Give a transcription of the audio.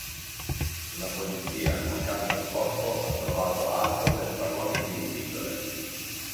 La polizia accanto al corpo ha trovato alcool e flaconi di pillole.